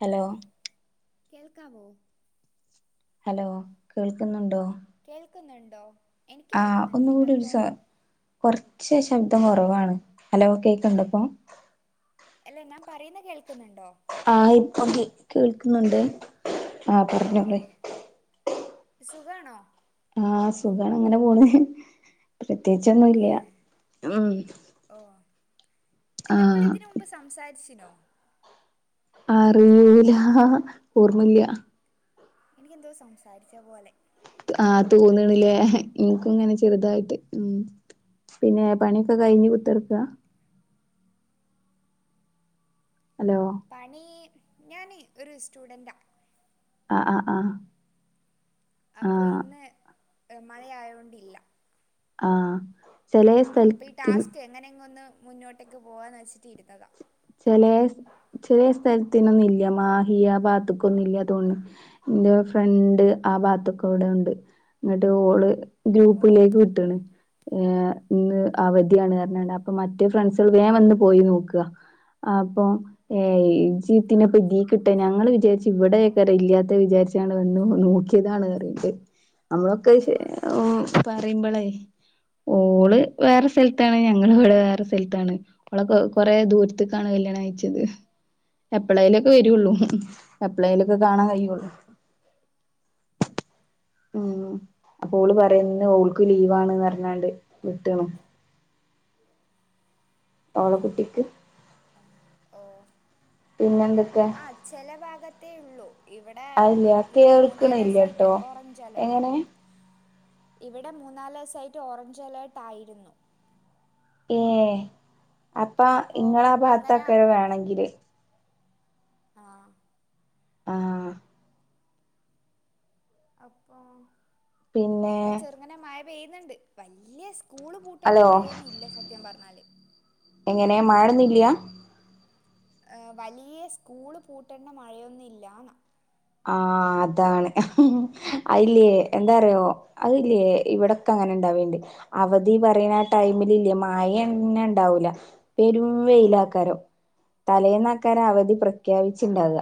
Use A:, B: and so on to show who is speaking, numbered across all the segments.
A: Hello
B: കേൾക്കാമോ
A: hello കേൾക്ക്ന്നുണ്ടോ
B: കേൾക്കുന്ന്ണ്ടോ എനിക്ക് കേൾക്ക്ന്ന്ണ്ട് നിങ്ങൾക്കോ
A: കൊറ്ച്ച് ശബ്ദം കൊറവാണ്. ഹലോ കേക്ക്ണ്ടോ ഇപ്പോ
B: അല്ലെ ന്നാ പറയുന്നെ കേൾക്ക്ന്ന്ണ്ടോ
A: ആഹ് ഇപ്പം കേൾക്കുന്നുണ്ട് ആഹ് പറഞ്ഞോളി
B: ആഹ് സുഖാണോ
A: ആഹ് സുഖാണ് അങ്ങനെ പോണ്. പ്രത്യേയിച്ചൊന്നുല്ല ഉം
B: ഓഹ് നമ്മൾ
A: ആഹ്
B: ഇതിന് മുമ്പ് സംസാരിച്ചീന്നോ
A: അറീലാ ഓർമ്മല്ല
B: എനിക്കെന്തോ സംസാരിച്ച പോലെ
A: ആഹ് തോന്ന്ണ്ല്ലേ ഇൻക്കും ഇങ്ങനെ ചെറ്തായിട്ട് ഉം പിന്നെ പണിയൊക്കെ കഴിഞ്ഞ് കുത്തർക്ക ഹലോ
B: പണീ ഞാൻ ഒരു സ്റ്റുഡൻ്റാ
A: അഹ് അഹ് ആഹ്
B: അപ്പൊ
A: ആഹ്
B: ഇന്ന് മഴ ആയോണ്ടില്ല
A: ആഹ് ചെലേ
B: അപ്പൊ ഇ
A: സ്ഥലത്തിൽ
B: ടാസ്ക് എങ്ങനെ ങ്ങൊന്ന് മുന്നോട്ടേക്ക് പോവാന്ന് വെച്ചിട്ട് ഇരുന്നതാ
A: ചെലേ ചെലേ സ്ഥലത്തിനൊന്നു ഇല്ല. മാഹിയ ഭാത്ത്ക്കൊന്നു ഇല്ല തോന്ന്ണ് ഇന്റെ ഫ്രണ്ട് ആഹ് ഭാത്ത്ക്കോട്യെ ഇണ്ട്. ഇങ്ങട്ട് ഓള്
B: ഓ
A: ഗ്രൂപ്പിലേക്ക് വിട്ട്ണ് എഹ് ഇന്ന് അവധിയാണ് അറ്ണാണ്ട്. അപ്പൊ മറ്റേ ഫ്രണ്ട്സുകള് വേം വന്ന് പോയി നോക്ക്. ഇത ആപ്പൊ ഏഹ് ഇജീത്തിനാപ്പൊ ഇതീ കിട്ടെ ഞങ്ങള് വിചാരിച്ചു ഇവിടെക്കാര ഇല്ലാത്തെ വിചാരിച്ച ക്കാണ്ട് വന്നു നോക്കിയതാണ് അറിണ്ട്. നമ്മളൊക്കെ
B: ഓ
A: ഇസെ
B: അങ്ങനെ
A: [unintelligible] പറീമ്പളേ ഓള് വേറെ സ്ഥലത്താണ്. ഞങ്ങള് ഇവടെ വേറെ സൽത്താണ് ഓളൊക്കെ കൊറേ ദൂര്ത്ത്ക്കാണ് കല്യാണം കയ്ച്ചെത് എപ്പളേയ്‌ലെക്കെ വെരൊള്ളൂ. എപ്പളേലൊക്കെ കാണാൻ കഴിയുള്ളൂ ഉം അപ്പോ ഓള് പറയ. ഇന്ന് ഓൾക്ക് ലീവാണ് അർ ന്നാണ്ട് വിട്ട്ണ് ഓള കുട്ടിക്ക്
B: ആഹ് ഓഹ്
A: പിന്നെ എന്തൊക്കെ
B: അചെലവാകത്തേ യുള്ളൂ ഇവടെ
A: അതില്ല
B: നുമൂന്നാലവസായിട്ട്
A: കേൾക്കണില്ലട്ടോ
B: ഓറഞ്ചേലേട്ട
A: എങ്ങനെ
B: ഇവിടെ മൂന്നാല് വ്സായിട്ട് ഓറഞ്ചെലേട്ട് ആയിരുന്നു
A: ഏഹ് അപ്പൊ
B: അപ്പോ
A: ഇങ്ങളാ
B: അങ്ങനെ
A: ഭാഗത്തെക്കര വേണെങ്കില്
B: ആഹ്
A: ആഹ്
B: അപ്പം. ഇപ്പ
A: പിന്നെ
B: ഇങ്ങനെ ചെറുങ്ങനെ മഴ പെയ്യ്ന്ന്ണ്ട് വല്യസ് കൂള് പൂട്ടെണ്ട
A: ഹലോ
B: മഴയൊന്നില്ല സത്യം പറ്ഞ്ഞാല്
A: എങ്ങനെ മഴാ ട്ന്നില്ല
B: ഏഹ് വലിയ സ്കൂള് പൂട്ടേണ്ട മഴയൊന്നില്ലാന്ന്
A: ആഹ് അതാണ് അ ഹ്
B: ആ
A: ഇല്ലേ എന്താറ്യാെ അഹ് ഇല്ലേ ഇവിടെ ഒക്കെ അങ്ങനെ ഇണ്ടാവെൽണ്ട്. അവധി പറയ്ണത് ആ ടൈമില് ഇല്ലേ മയെ ന്നെ ഇണ്ടാവൂല പെരും വെയിലാക്കാരം തലേന്നാക്കാര അവധി പ്രഖ്യാപിച്ചിണ്ടാവ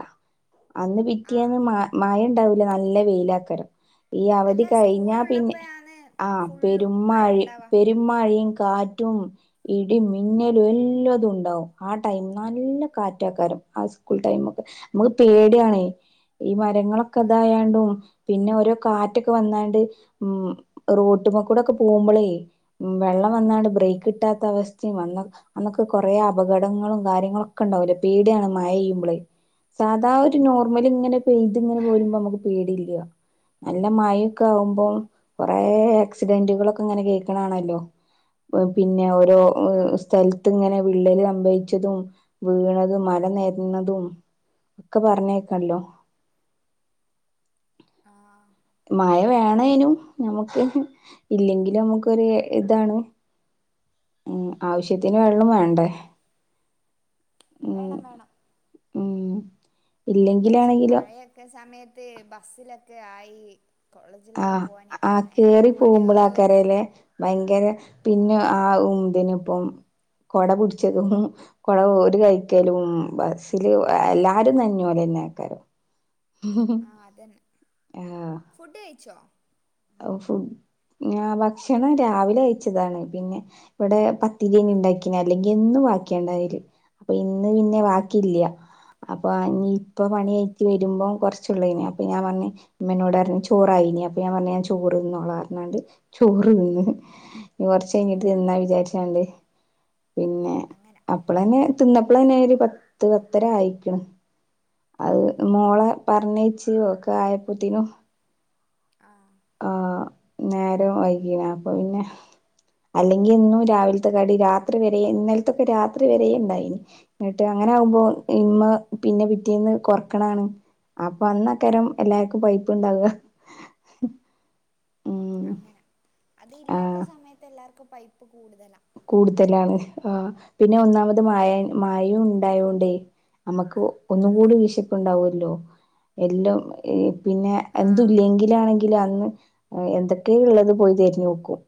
A: അന്ന് പി
B: ആ
A: റ്റിയേന്ന് മാ മയണ്ടാവൂല നല്ല വെയ്ലായ്ക്കാരം ഈ അവധി
B: അല്ല സ്കൂള്
A: കഴിഞ്ഞാ പിന്നെ
B: ഉള്ളപ്പോഴാണ്
A: ആഹ്
B: ഫുള്ളും മഴ
A: പെരുമഴെ
B: ഉണ്ടാവാ
A: പെരു മഴേം കാറ്റും ഇടി മിന്നലും എല്ലതുണ്ടാവും ആ ടൈം നല്ല കാറ്റക്കാരും ആ സ്കൂൾ ടൈമൊക്കെ നമ്ക്ക് പേടിയാണേ ഈ മരങ്ങളൊക്കെ
B: ആ
A: ദായോണ്ടും പിന്നെ ഓരോ കാറ്റൊക്കെ വന്നാണ്ട് ഉം റോട്ട്മ്മേക്കൂടൊക്കെ പോകുമ്പളേ ഉം വെള്ളം വന്നാണ്ട് ബ്രേയ്ക്കിട്ടാത്ത അവസ്ഥിം വന്ന അന്നൊക്കെ കൊറേ അപകടങ്ങളും കാര്യങ്ങളു ഒക്കെ ഉണ്ടാവൂലെ പേടിയാണ് മഴ പെയ്യുമ്പളേ സാധാ ഒരു നോർമലിങ്ങനെ പെയ്തിങ്ങനെ പോരുമ്പോ നമക്ക് പേടില്ല നല്ല മഴൊക്കാകുമ്പോം കൊറെ ആക്സിഡന്റുകളൊക്കെ ങ്ങനെ കേൾക്കണതാണല്ലോ പിന്നെ ഓരോ
B: ആ
A: സ്ഥലത്ത് ഇങ്ങനെ വിള്ളല് സംഭവി ച്ചതും വീണതും മല നെരന്നതും ഒക്കെ പറഞ്ഞേട്ടല്ലോ
B: ആഹ്
A: മഴ വേണേനും നമുക്ക് ഇല്ലെങ്കിലും മ്ക്കൊരിതാണ് ഉം ആവശ്യത്തിന് വെള്ളം വേണ്ടെ ഉം
B: വേണം വേണം
A: ഉം ഇല്ലെങ്കിലാണെങ്കിലോ
B: ക്കെ സമയത്ത് ബസ്സിലൊക്കെ ആയി കോളേജിലെല്ലാം
A: ആഹ്
B: പോവാന്
A: ആഹ്
B: ഭയങ്കര
A: കേറി
B: മടിയാ ഓ
A: പോകുമ്പളാ കരേലെ ഭയങ്കര പിന്നെ
B: ആഹ്
A: ആ ഉം തിനിപ്പം കൊടപടിച്ചതും കൊട ഒരു കയ്ക്കലും ബസ്സില് എല്ലാരും നനഞ്ഞോലെന്നെയ്ക്കാരം
B: ആഹ് അതന്നെ. ഫുഡ് കയ്ച്ചോ
A: ആഹ് ഫു ഭക്ഷണം രാവിലെ കയിച്ചതാണ് പിന്നെ ഇവടെ
B: ആഹ്
A: പത്തിരൈനിണ്ടാക്കിന അല്ലെങ്കി എന്നും ക്കണ്ടായേല് അപ്പൊ ഇന്ന് പിന്നെ ബാക്കില്ല്യാ അപ്പൊ ഇനിപ്പോ
B: ഓ
A: പണി വരുമ്പോം കൊറച്ചുള്ളയേന് അപ്പൊ ഞാൻ പറഞ് ഉമ്മ എന്നോട് പറഞ്ഞ് ചോറായിനി അപ്പൊ ഞാൻ പറഞ്ഞ് ഞാൻ ചോ ചോറ് തിന്നോളാന്ന്ണ്ട് ചോറ്. [unintelligible] കൊറച്ച്
B: ഓ
A: കഴിഞ്ഞിട്ട് തിന്നാ വിചാരിച്ചണ്ട്. പിന്നെ,
B: അങ്ങനെ.
A: അപ്പളന്നെ തിന്നപ്പോളന്നെ ഒരു പത്ത് പത്തര ആയിക്കണ്
B: ഓ
A: അത് മോളെ പറഞ്ഞേച്ച് ഒക്കെ ആയപ്പത്തീനും
B: ആഹ്.
A: ആഹ് നേരം വൈകീണ് അപ്പൊ പിന്നെ, അല്ലെങ്കിൽ എന്നും രാവിലത്തെ കടി രാത്രി വരെ ഇന്നലത്തൊക്കെ രാത്രി വരെ ഇണ്ടായിന്. എന്നട്ട് അങ്ങനാകുമ്പോ
B: ഓ
A: ഇമ്മ പിന്നെ പിറ്റേന്ന് കൊർ ക്കണാണ് അപ്പൊ അന്നക്കരം എല്ലാർക്കും പൈപ്പ് ഉണ്ടാവുക. ഉം
B: അങ്ങനെ. അത്
A: ആഹ്
B: ഇല്ലാത്ത സമയത്ത് എല്ലാർക്കും പൈപ്പ് കൂടുതലാ.
A: കൂടുതലാണ് ആഹ് പിന്നെ ഒന്നാമത് മയ
B: ആഹ്
A: മയയും ഉണ്ടായോണ്ടേ. നമ്മക്ക് ഒന്നും കൂടി
B: ആഹ്
A: വിശപ്പ്ണ്ടാവല്ലോ എല്ലൊ ഈ പിന്നെ
B: ആഹ്
A: എന്തുല്ലെങ്കിലാണെ ങ്കിലന്ന് എന്തൊക്കെയാ ഉള്ളത് പോയി തിരഞ്ഞ് നോക്കും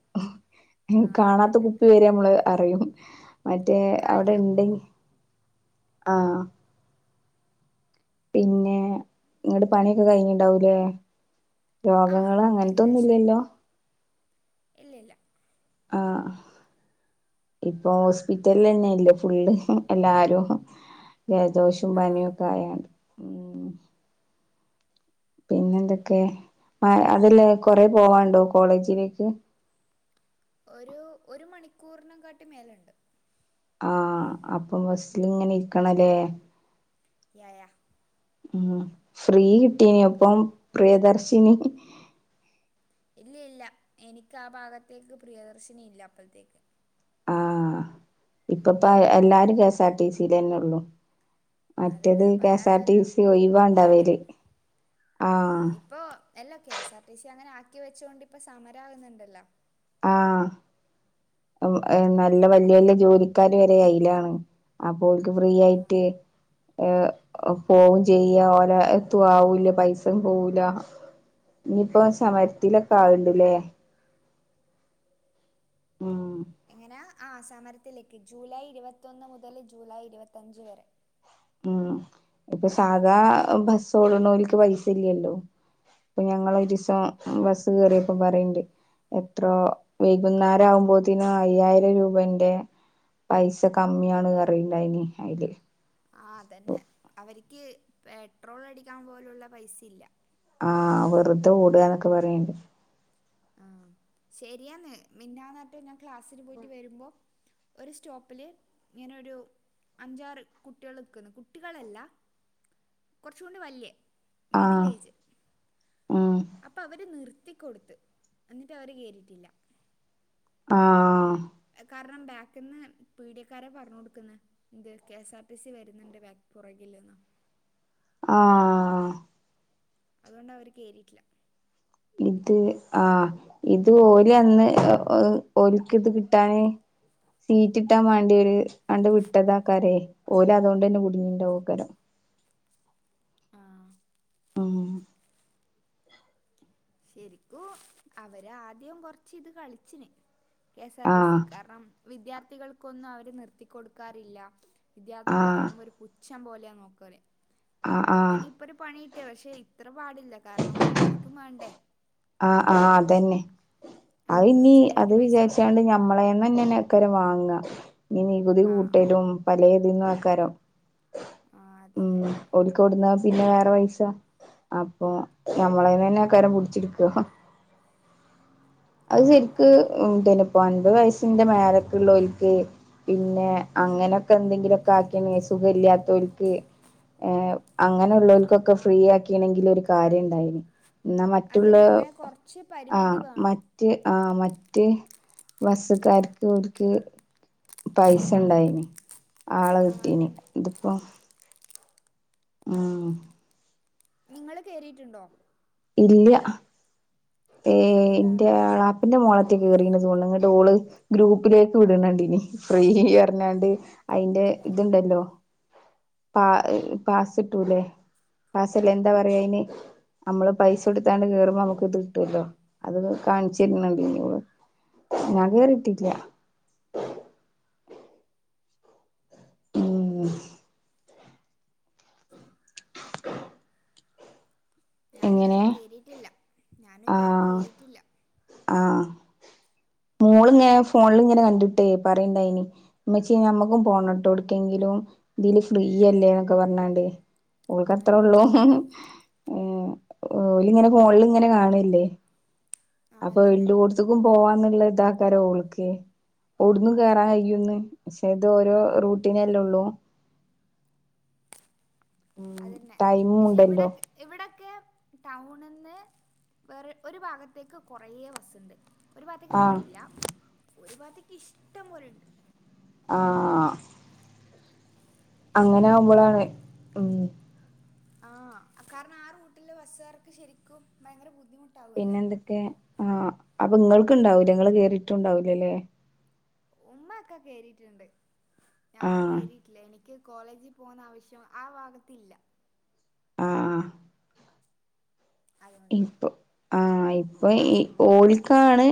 B: ആഹ്
A: കാണാത്ത
B: അതന്നെ
A: കു [unintelligible] മ്മള് അറിയും മറ്റേ അവിടെ
B: കാര്യം
A: ഉണ്ട് ആഹ് പിന്നെ ഇങ്ങടെ പണിയൊക്കെ കഴിഞ്ഞിണ്ടാവൂലേ?
B: ആഹ്
A: രോഗങ്ങള് അങ്ങനത്തൊന്നുല്ലല്ലോ?
B: ഇല്ല ഇല്ല.
A: ആഹ്. ഇപ്പൊ ഹോസ്പിറ്റലന്നെ ഇല്ലെ ഫുള്ള് എല്ലാരും. ജലദോഷവും
B: ആഹ്
A: പനിയൊക്കെ ആയാണ്ട് മ്. പിന്നെ എന്തൊക്കെ അതല്ല കൊറെ പോവാനുണ്ടോ കോളേജിലേക്ക്?
B: ഒരു ഒരു മണിക്കൂറിനെകാട്ടി മേലണ്ട്.
A: ആഹ് അപ്പൊ ബസ്സിൽ ഇങ്ങനെ ഇരിക്കണല്ലേ?
B: യായ.
A: ഉം ഫ്രീ കിട്ടീൻ അപ്പൊ പ്രിയദർശിനി.
B: ഇല്ല ഇല്ല എനിക്ക് ആ ഭാഗത്തേക്ക് പ്രിയദർശിനി ഇല്ല അപ്പഴ്ത്തേക്ക്.
A: ആഹ് ഇപ്പപ്പ എല്ലാരും K S R T C ലന്നെ ഉള്ളു.
B: അതന്നെ
A: മറ്റേത്
B: അത്
A: കെ എസ് ആർ ടി
B: വല്ലാത്തൊരു
A: സി ഒയിവാണ്ടാവല് ആഹ്.
B: അപ്പൊ എല്ലാ കെഎസ് ആർ ടി സി അങ്ങനെ ആക്കി വെച്ചൊണ്ട് ഇപ്പ സമരാകുന്നുണ്ടല്ലോ?
A: ആഹ് നല്ല വല്യ വല്യ ജോലിക്കാര് വരെ അയ്ലാണ്. അപ്പോ ഓൽക്ക് ഫ്രീ
B: ആ
A: ആയിട്ട് ഏഹ് പോകും ചെയ്യാ ഓല എത്തു ആവൂല പൈസയും പോവൂല. ഇനിയിപ്പൊ സമരത്തിലൊക്കെ ആവണ്ടല്ലേ? മ്.
B: എങ്ങനെ ആഹ് സമരത്തിലേക്ക് ജൂലൈ ഇരുപത്തൊന്ന് മുതൽ ജൂലൈ ഇരുപത്തയഞ്ച് വരെ.
A: ഉം ഇപ്പൊ സാധാ ബസ്സോടണോൽക്ക് പൈസ ഇല്ലല്ലോ? അപ്പൊ ഞങ്ങള ഒരിസം ബസ്സ് കേറിയപ്പോ പറയണ്ട്. എത്രോ വൈകുന്നേരം ആകുമ്പോത്തിനും അയ്യായിരം രൂപന്റെ. പൈസ കമ്മിയാണ് പറിയിണ്ടായിനി അയില്.
B: ആഹ് അതന്നെ അവർക്ക് പെട്രോൾ അടിക്കാൻ പോലുള്ള പൈസ ഇല്ല.
A: ആഹ് വെറുതെ ഓടുകാന്നൊക്കെ പറയണ്ട്.
B: ആഹ് ശരിയന്ന് മിഞ്ഞാന്നാറ്റം ഞാൻ ക്ലാസ്സിൽ പോയിട്ട് വരുമ്പോ ഒരു സ്റ്റോപ്പില് ഇങ്ങനൊരു അഞ്ചാറ് കുട്ടികൾ നിക്കുന്ന് കുട്ടികളല്ല കുറച്ച കൊണ്ട് വല്യേ മിഡിൽ ഏജ്
A: ആഹ്.
B: അപ്പൊ അവര് നിർത്തിക്കൊടുത്ത് എന്നിട്ട് അവര് കേറിട്ടില്ല.
A: ആഹ്
B: കാരണം ബാക്കിന്ന് പീഡിയക്കാരൻ പറഞ്ഞു കൊടുക്കുന്. എന്ത് K S R T C വരുന്നുണ്ട് വേറെ പുറകില്ന്ന്
A: ആഹ്
B: അതുകൊണ്ട് അവർ കേറിട്ടില്ല.
A: ഇത് ആ ഇത് ഓല് അന്ന് ഓൽക്ക് ഇത് കിട്ടാന്. സീറ്റ് കിട്ടാൻ വാണ്ടി അങ്ങട്ട് വിട്ടതാ ആക്കാരെയ് ഓല് അതുകൊണ്ടെന്നെ കുടുങ്ങിണ്ടക്കാരോ?
B: ആഹ്
A: ഉം
B: ശെരിക്കും അവര് ആദ്യം കൊറച്ച് ഇത് കളിച്ചിനി. കെ എസ് ആർ ടി
A: ആഹ്
B: സി കാരണം വിദ്യാർത്ഥികൾക്കൊന്നും അവര് നിർത്തി കൊടുക്കാറില്ല. വിദ്യാർത്ഥികളെ
A: ആഹ്
B: കാണുമ്പോ ഒരു പുച്ഛം പോലെയ നോക്ക അവർ
A: ആഹ്
B: അതുപോലെ
A: ആഹ്
B: തന്നെ ഇപ്പൊ ഒരു പണി കിട്ടിയതാ പക്ഷെ ഇത്ര പാടില്ല കാരണം അവർക്കും വേണ്ടേ?
A: ആഹ് ആഹ് അതന്നെ അത്
B: അവര്ക്കും
A: ഇനി
B: ചെലവിന്
A: അത്
B: പൈസ വേണ്ടേ
A: വിചാരിച്ചണ്ട് ഞ നമ്മളെ നെന്നെ ആക്കാരും വാങ്ങ ഇനി നികുതി
B: ആഹ്
A: കൂട്ടലും പലേതിന്നും ആക്കാരും.
B: ആഹ് അതന്നെ.
A: ഒല്ക്കോടുന്ന പിന്നെ വേറെ പൈസ അപ്പൊ ഞമ്മളെന്ന് തന്നെ ആക്കാരം പിടിച്ചി. അത് ശെരിക്ക്.
B: ആഹ്
A: അൻപത് വയസിന്റെ മേലക്ക് ള്ളോ ൽക്ക് പിന്നെ അങ്ങനെയൊക്കെ എന്തെ ഇതിലൊക്കെ ആർക്കെങ്കിലും സുഖല്ലാത്തോൽക്ക് ഏ അങ്ങനെളോല്ക്കൊക്കെ ഫ്രീ
B: ആഹ്
A: ആക്കി കിട്ടിനെങ്കിൽ ഒരു കാര്യം ഇണ്ടായിനി എന്നാ മറ്റുള്ള
B: അതന്നെ അങ്ങനെ കൊറച്ച്
A: ആ
B: പരിമിതി വേണം
A: മറ്റ് ആ മറ്റ് ബസ്ക്കാർക്ക് ഒര്ക്ക്. പൈസ ഇണ്ടായിന് ആളെ
B: ആഹ്
A: കിട്ടീന്
B: അതന്നെ
A: ഇതിപ്പോ. ഉം
B: നിങ്ങള് കേറിയിണ്ടോ?
A: ഇല്ല ഏഹ്
B: അതെന്താ
A: ഇന്റെ ന്റെ മോളത്തെ കേറിന്നു തോന്ന്ണു ഇങ്ങട്ട് ഓള് ഗ്രൂപ്പിലേക്ക് വിടണണ്ടിനി ഫ്രീ പറഞ്ഞാണ്ട്. അയിന്റെ ഇതുണ്ടല്ലോ. പ പാസിട്ടുല്ലെ പാസല്ല എന്താ പറയാ അയിന്. നമ്മള് പൈസ കൊടുത്താണ്ട് കേറുമ്പോ നമുക്ക് ഇത് കിട്ടുല്ലോ അത് കാണിച്ചരുന്നുണ്ട് ഓള്. ഞാൻ കേറിട്ടില്ല. ഉം എങ്ങനെ
B: ഞാനിതുവരെ കേറിട്ടില്ല ഞാനിതുവരെ
A: ആഹ്
B: കേറിട്ടില്ല.
A: ആഹ് മോള് ഇങ്ങനെ ഫോണിൽ ഇങ്ങനെ കണ്ടിട്ടേ പറയ്ണ്ടായിനി. മ്മച്ചി നമ്മുക്കും പോണട്ടോ എവുടുക്കെങ്കിലും ഇതില് ഫ്രീയല്ലേ എന്നൊക്കെ പറഞ്ഞാണ്ട്. ഓൽക്ക് അത്രേ
B: ആഹ്
A: ഉള്ളൂ ഓല് ഇങ്ങനെ ഫോണിൽ ഇങ്ങനെ കാണൂല്ലേ
B: ആഹ്
A: അപ്പൊ
B: അതന്നെ
A: എല്ലോടുത്ത്ക്കും പോവാന്നുള്ള ഇതാക്കാരോ ഓൾക്ക്. ഒടുന്നു കേറാൻ കയ്യുംന്ന് പക്ഷേ ഇത് ഓരോ റൂട്ടിനല്ലേ ഉള്ളൂ ഉം
B: അതന്നെ
A: ടൈമും
B: പക്ഷെ ഇവിടെ
A: ഉണ്ടല്ലോ
B: ഇവിടൊക്കെ ടൗണിന്ന് വേറെ ഒരു ഭാഗത്തേക്ക് കുറേ ബസ്സുണ്ട് ഒരു ഭാഗത്തേയ്ക്ക്
A: ആഹ്
B: തീരില്ല ഒരു ഭാഗത്തേക്ക് ഇഷ്ടം പോലെ ഇണ്ട്.
A: ആഹ് അങ്ങനെ ആകുമ്പളാണ് ഉം
B: ആഹ് കാരണം ആ റൂട്ടിലെ ബസ്സുകാർക്ക് ശരിക്കും ഭയങ്കര ബുദ്ധിമുട്
A: പിന്നെ എന്തൊക്കെ ആ അപ്പൊ നിങ്ങൾക്ക്ണ്ടാവൂലെ
B: ആഹ്
A: ഇങ്ങള് കേറിട്ടുണ്ടാവൂല്ലല്ലേ
B: ഉമ്മ ഒക്കെ കേറിട്ടുണ്ട് ഞാൻ
A: ആഹ്
B: കേറിട്ടില്ല എനിക്ക് കോളേജിൽ പോകുന്ന ആവശ്യം ആ ഭാഗത്തില്ല.
A: ആഹ് ആഹ്
B: അതുകൊണ്ട്
A: ഇപ്പൊ ആഹ് ഇപ്പൊ ഈ ഓലിക്കാണ്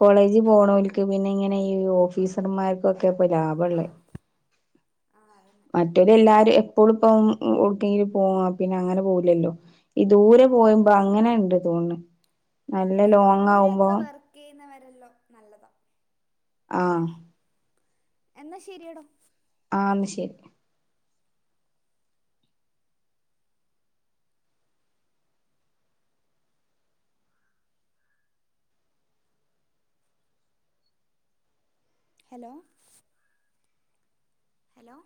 A: കോളേജ് പോണോൽക്ക് പിന്നെ ഇങ്ങനെ ഈ ഓഫീസർമാർക്കൊക്കേ ഇപ്പൊ ലാഭള്ളേ
B: ആഹ് അതന്നെ
A: മറ്റോരു എല്ലാരും എപ്പോളും ഇപ്പം ഊട്ടില് [unintelligible] പിന്നെ അങ്ങനെ പോവുല്ലല്ലോ ഈ ദൂരെ പോയ്പോ
B: ആഹ്
A: അങ്ങനെണ്ട് തോന്ന്ണ് നല്ല
B: ഈ
A: ലോങ് ആവുമ്പോ
B: ദൂരൊക്കെ വർക്കെയ്യുന്നവരല്ലോ നല്ലതാ.
A: ആഹ്
B: എന്നാ ശെരിയടോ
A: ആ എന്നാ ശെരി
B: ഹലോ ഹലോ